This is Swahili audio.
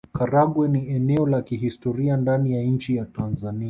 Karagwe ni eneo la kihistoria ndani ya nchi ya Tanzania